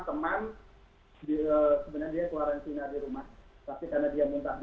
sebenarnya dia dikarantina di rumah